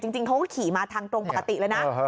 จริงเขาก็ขี่มาทางตรงปกติเลยนะ